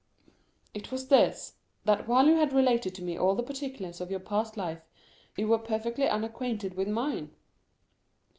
"It was this,—that while you had related to me all the particulars of your past life, you were perfectly unacquainted with mine."